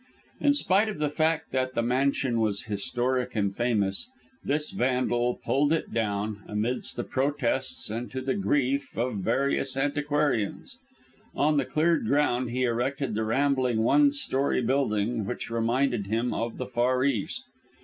In spite of the fact that the mansion was historic and famous, this Vandal pulled it down, amidst the protests and to the grief of various antiquarians. On the cleared ground he erected the rambling one storey building which reminded him of the Far East.